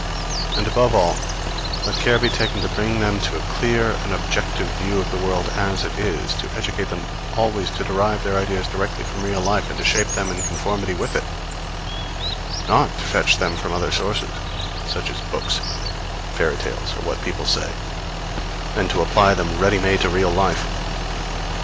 And above all let care be taken to bring them to a clear and objective view of the world as it is, to educate them always to derive their ideas directly from real life, and to shape them in conformity with it not to fetch them from other sources, such as books, fairy tales, or what people say then to apply them ready made to real life.